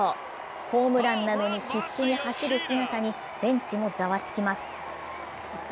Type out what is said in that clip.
ホームランなのに必死に走る姿にベンチもざわつきます。